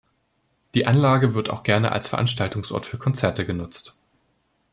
Die Anlage wird auch gerne als Veranstaltungsort für Konzerte genutzt.